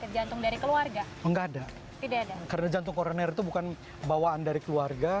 jantung dari keluarga enggak ada tidak ada karena jantung koroner itu bukan bawaan dari keluarga